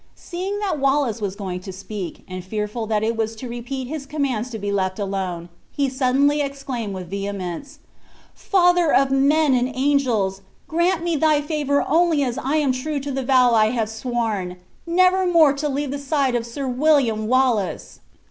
Seeing that Wallace was going to speak, and fearful that it was to repeat his commands to be left alone, he suddenly exclaimed with vehemence: "Father of men and angels! grant me thy favor only as I am true to the vow I have sworn, never more to leave the side of Sir William Wallace!"